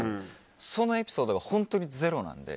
そのエピソードが本当にゼロなんで。